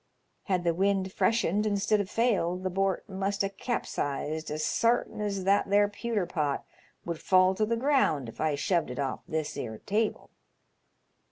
Had the wind freshened instead of failed the bort must ha' capsized as sartin as that there pewter pot would fall to the ground if I shoved it off this 'ere table.